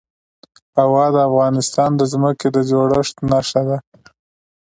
هوا د افغانستان د ځمکې د جوړښت نښه ده.